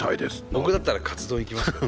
僕だったらカツ丼いきますけどね。